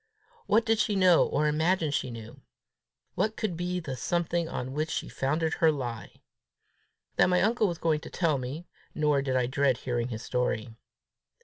What did she know, or imagine she knew? What could be the something on which she founded her lie? That my uncle was going to tell me, nor did I dread hearing his story.